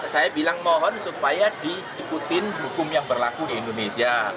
saya bilang mohon supaya diikutin hukum yang berlaku di indonesia